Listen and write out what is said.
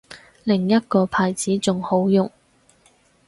另一個牌子仲好用